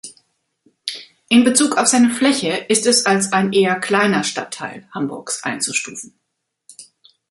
In Bezug auf seine Fläche ist es als ein eher kleiner Stadtteil Hamburgs einzustufen.